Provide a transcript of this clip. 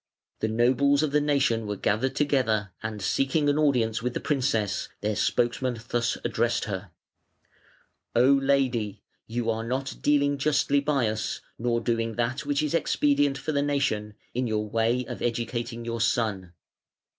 The nobles of the nation were gathered together, and seeking an audience with the princess, their spokesman thus addressed her: "O lady, you are not dealing justly by us, nor doing that which is expedient for the nation, in your way of educating your son.